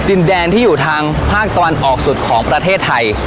ดินแดนที่อยู่ทางภาคตะวันออกสุดของประเทศไทย